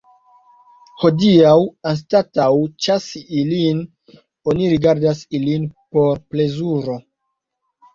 Hodiaŭ, anstataŭ ĉasi ilin, oni rigardas ilin por plezuro.